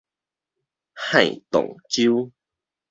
幌動州